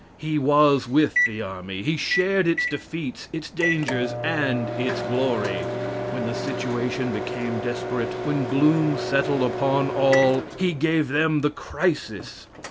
He was with the army. He shared its defeats, its dangers, and its glory. When the situation became desperate, when gloom settled upon all, he gave them the "Crisis."